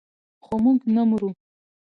خو موږ نه مرو.